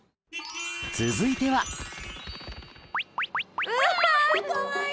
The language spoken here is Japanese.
続いてはうわかわいい！